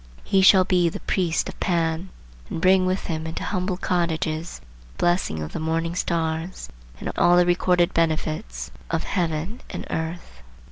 He shall be the priest of Pan, and bring with him into humble cottages the blessing of the morning stars, and all the recorded benefits of heaven and earth.